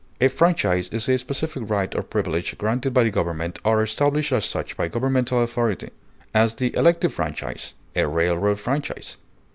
A franchise is a specific right or privilege granted by the government or established as such by governmental authority; as, the elective franchise; a railroad franchise.